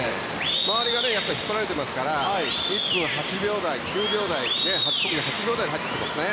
周りが引っ張られていますから１分８秒台、９秒台で入ってきていますね。